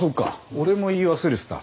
俺も言い忘れてた。